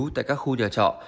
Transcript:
tại các khu nhà trọ